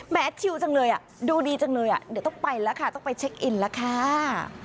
แมททิวด์จังเลยอ่ะดูดีจังเลยอ่ะเดี๋ยวต้องไปละค่ะต้องไปเช็คอินละค่า